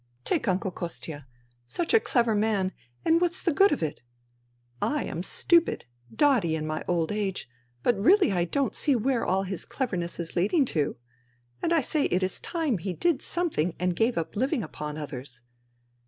Take Uncle Kostia. Such a clever man — and what's the good of it ? I am stupid, dotty in my old age, but really I don't see where all his cleverness is leading to. And I say it is time he did something and gave up living upon others.